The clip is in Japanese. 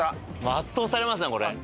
圧倒されますねこれ。